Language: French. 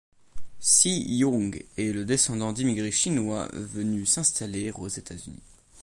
Cy Young est le descendant d'immigrés chinois venus s'installer aux États-Unis.